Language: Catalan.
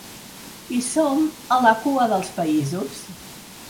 I som a la cua dels països.